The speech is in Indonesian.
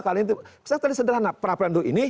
saya tadi sederhana peradilan tun ini